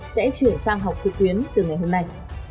sẽ chuyển sang học trực tuyến từ ngày hôm nay